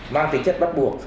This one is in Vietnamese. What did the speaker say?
mang tính chất bắt buộc